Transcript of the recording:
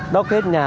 đói hết nhà